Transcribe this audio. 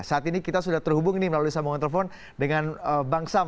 saat ini kita sudah terhubung melalui sambungan telepon dengan bang sam